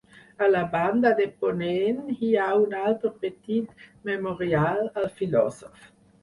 A la banda de ponent hi ha un altre petit memorial al filòsof.